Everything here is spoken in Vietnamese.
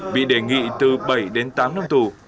bị đề nghị từ bảy đến tám năm tù